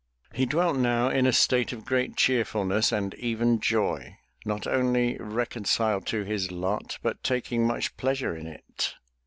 He dwelt now in a state of great cheerfulness and even joy, not only reconciled to his lot but taking much pleasure in it.